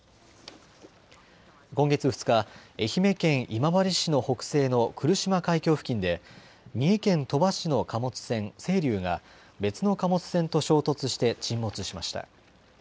今月２日、愛媛県今治市の北西の来島海峡付近で三重県鳥羽市の貨物船せいりゅうが別の貨物船と衝突して沈没しました。